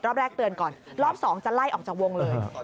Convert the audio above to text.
รอบแรกเตือนก่อนรอบ๒จะไล่ออกจากวงเลย